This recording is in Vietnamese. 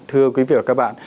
thưa quý vị và các bạn